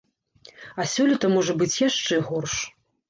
А сёлета можа быць яшчэ горш.